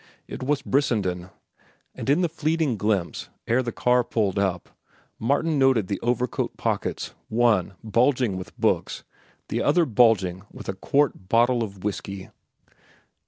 It was Brissenden, and in the fleeting glimpse, ere the car started up, Martin noted the overcoat pockets, one bulging with books, the other bulging with a quart bottle of whiskey.